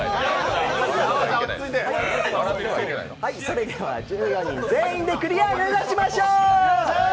それでは１４人全員でクリア目指しましょう。